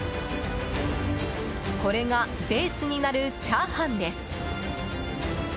これがベースになるチャーハンです。